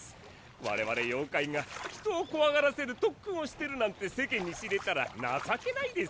我々妖怪が人をこわがらせるとっくんをしてるなんて世間に知れたらなさけないですから。